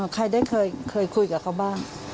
ใครได้เคยคุยกับเขาบ้าง